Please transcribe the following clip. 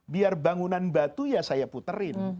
biar bangunan batu ya saya puterin